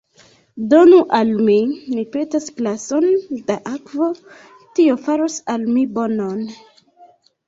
Donu al mi, mi petas, glason da akvo; tio faros al mi bonon.